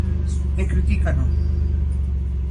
E critícano.